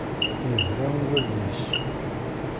Yebra i wallen-is.